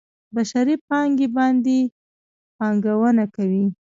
بشري پانګې باندې پانګونه کوي.